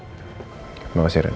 terima kasih rian